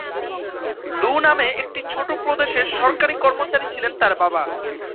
লু নামে একটি ছোট প্রদেশের সরকারি কর্মচারী ছিলেন তার বাবা।